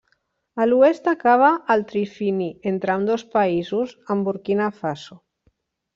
A l'oest acaba al trifini entre ambdós països amb Burkina Faso.